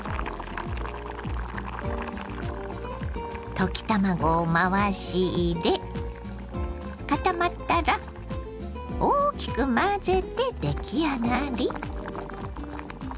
溶き卵を回し入れ固まったら大きく混ぜて出来上がり。